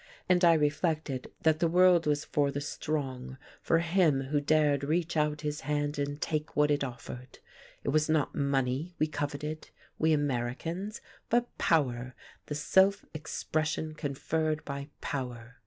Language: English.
And I reflected that the world was for the strong, for him who dared reach out his hand and take what it offered. It was not money we coveted, we Americans, but power, the self expression conferred by power.